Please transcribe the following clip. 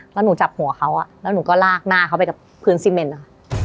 แล้วหนูจับหัวเขาแล้วหนูก็ลากหน้าเขาไปกับพื้นซีเมนนะคะ